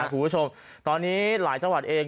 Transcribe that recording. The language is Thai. คุณผู้ชมตอนนี้หลายจังหวัดเอง